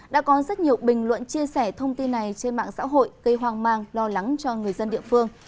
đã có rất nhiều bình luận chia sẻ thông tin này trên mạng xã hội gây hoang mang lo lắng cho người dân địa phương